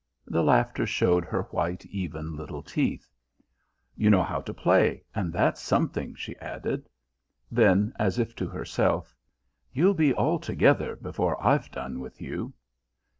The laughter showed her white, even little teeth. "You know how to play, and that's something," she added. Then, as if to herself, "You'll be altogether before I've done with you."